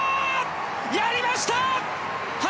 やりました！